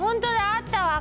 あったわ！